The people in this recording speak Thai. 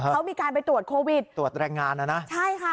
เขามีการไปตรวจโควิดตรวจแรงงานนะนะใช่ค่ะ